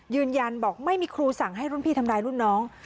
ยืนยันบอกไม่มีครูสั่งให้รุ่นพี่ทำร้ายรุ่นน้อง